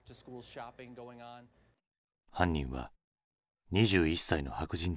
犯人は２１歳の白人男性。